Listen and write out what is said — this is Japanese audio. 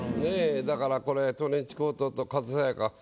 だからこれ「トレンチコート」と「風爽か」。